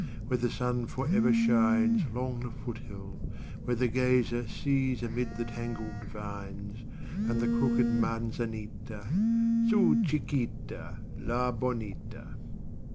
Where the sun forever shines 'Long the foothill, where the gazer Sees amid the tangled vines And the crooked manzanita, Su Chiquita! La bonita.